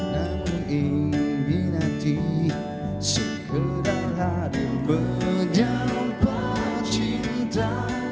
namun ingin hati segera hadir berjauh pacita